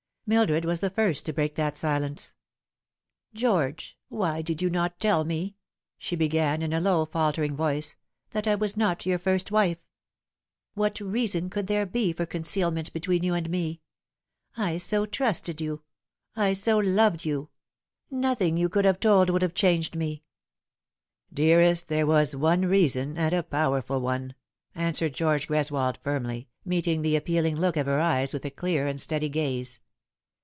Mildred was the first to break that silence. " George, why did you not tell me," she began in a low fal tering voice, " that I was not your first wife ? "What reason could there be for concealment between you and me ? I so trusted you ; I so loved you. Nothing you could have told would have changed me.' " Dearest, there was one reason, and a powerful one," answered George Greswold firmly, meeting the appealing look of her eyes with a clear and steady gaze.